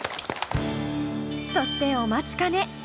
そしてお待ちかね。